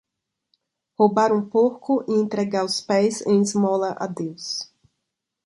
Roubar um porco e entregar os pés em esmola a Deus.